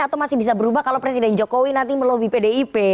atau masih bisa berubah kalau presiden jokowi nanti melobi pdip